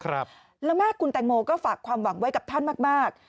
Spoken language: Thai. แล้วแม่คุณแตงโมก็ฝากความหวังไว้กับท่านมากมาก